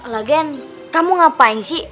lagen kamu ngapain sih